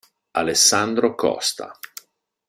Alessandro Costa